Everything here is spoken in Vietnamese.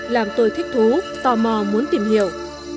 làm tôi thích thú tò mò muốn tìm hiểu